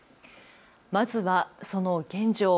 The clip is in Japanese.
まずはその現状。